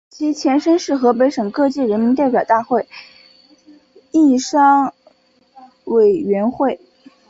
其前身是河北省各界人民代表会议协商委员会。